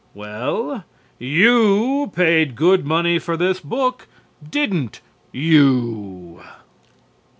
Well, you paid good money for this book, didn't you?